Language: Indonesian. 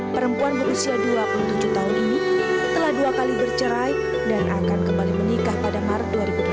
perempuan berusia dua puluh tujuh tahun ini telah dua kali bercerai dan akan kembali menikah pada maret dua ribu delapan belas